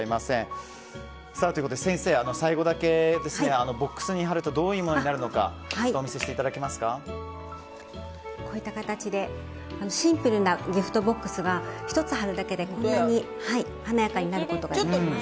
ということで先生、最後にボックスに貼るとどういうものになるかこういった形でシンプルなギフトボックスが１つ貼るだけでこんなに華やかになることができます。